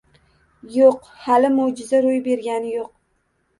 Yo`q, hali mo`jiza ro`y bergani yo`q